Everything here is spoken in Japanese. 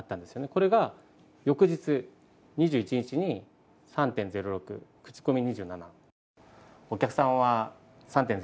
これが翌日２１日に、３．０６、口コミ２７。